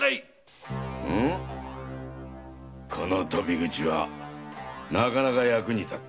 この鳶口はのなかなか役に立った。